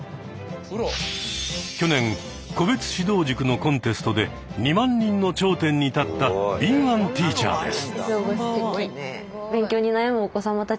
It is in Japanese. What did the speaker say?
去年個別指導塾のコンテストで２万人の頂点に立った敏腕ティーチャーです。